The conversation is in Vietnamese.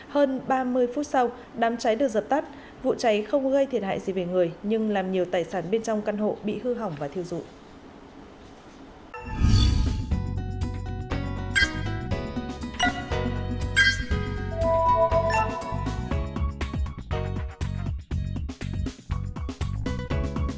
hơn ba mươi phút sau đám cháy được dập tắt vụ cháy không gây thiệt hại gì về người nhưng làm nhiều tài sản bên trong căn hộ bị hư hỏng và thiêu dụng